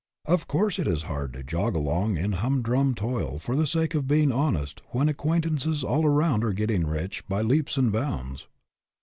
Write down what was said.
Of course it is hard to jog along in humdrum toil for the sake of being honest when ac quaintances all around are getting rich by leaps and bounds.